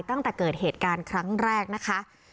ตั้งแต่เกิดเหตุการณ์ครั้งแรกนะคะ